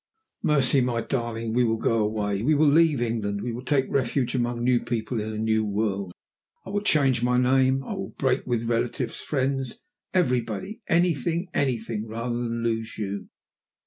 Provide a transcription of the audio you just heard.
"Mercy! My darling! We will go away we will leave England we will take refuge among new people in a new world I will change my name I will break with relatives, friends, everybody. Anything, anything, rather than lose you!"